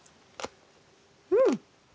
うん！